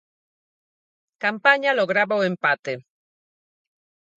Campaña lograba o empate.